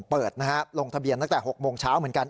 เปิดนะฮะลงทะเบียนตั้งแต่๖โมงเช้าเหมือนกัน